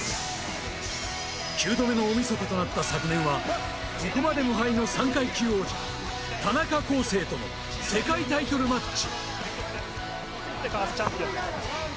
９度目の大みそかとなった昨年は、ここまで無敗の３階級王者、田中恒成との世界タイトルマッチ。